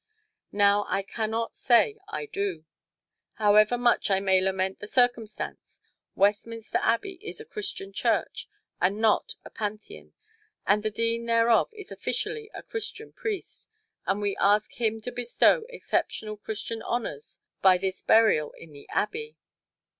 Now I can not say I do. However much I may lament the circumstance, Westminster Abbey is a Christian Church and not a Pantheon, and the Dean thereof is officially a Christian priest, and we ask him to bestow exceptional Christian honors by this burial in the Abbey.